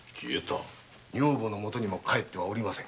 女房のもとにも帰っておりません。